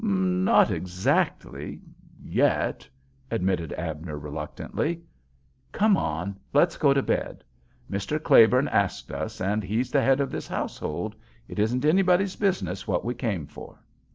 "Not exactly—yet," admitted Abner, reluctantly. "Come on—let's go to bed. Mr. Claiborne asked us, and he's the head of this household. It isn't anybody's business what we came for."